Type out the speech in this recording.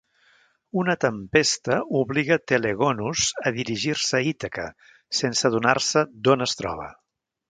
Una tempesta obliga Telegonus a dirigir-se a Ítaca sense adonar-se d"on es troba.